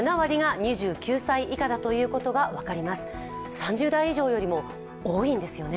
３０代以上よりも多いんですよね。